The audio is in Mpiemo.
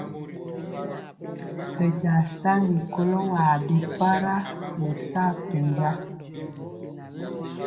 Bɛnja saŋgi kɔlo waa bi para nɛ sa penja.